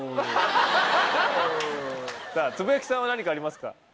つぶやきさんは何かありますか？